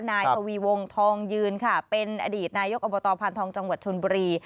นายทวีวงทองยืนค่ะเป็นอดีตนายกอบตพานทองจังหวัดชนบุรี